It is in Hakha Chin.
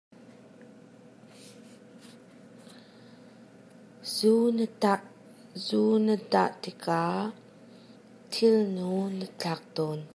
Zu an dah tikah thilnu an thlaak tawn.